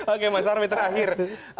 oke mas armi terakhir